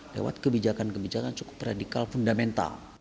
lewat kebijakan kebijakan cukup radikal fundamental